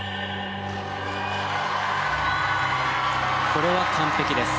これは完璧です。